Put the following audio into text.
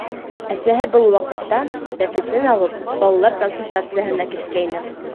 Әсәһе был ваҡытта, бәпесен алып, балалар консультацияһына киткәйне.